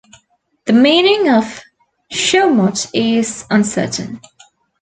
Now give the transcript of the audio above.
The meaning of "Shawmut" is uncertain.